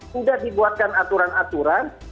sudah dibuatkan aturan aturan